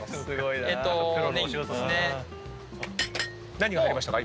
何が入りましたか？